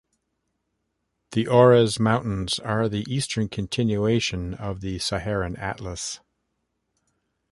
The Aures mountains are the eastern continuation of the Saharan Atlas.